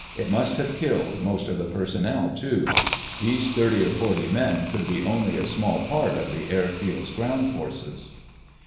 It must have killed most of the personnel, too. These thirty or forty men could be only a small part of the air field's ground forces.